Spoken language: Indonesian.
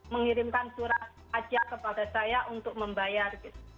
mengirimkan surat saja kepada saya untuk membayar